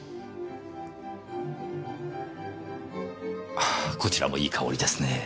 ああこちらもいい香りですねぇ。